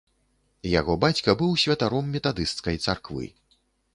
Яго бацька быў святаром метадысцкай царквы.